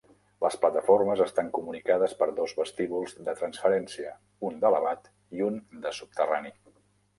Les plataformes estan comunicades per dos vestíbuls de transferència, un d'elevat i un de subterrani.